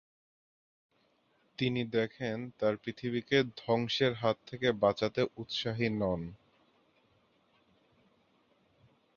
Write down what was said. তিনি দেখেন তার পৃথিবীকে ধ্বংসের হাত থেকে বাঁচাতে উৎসাহী নন।